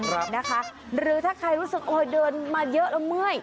หรือถ้าใครรู้สึกโอ้ยเดินมาเยอะแล้วเมื่อย